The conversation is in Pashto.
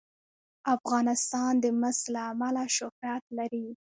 افغانستان د مس له امله شهرت لري.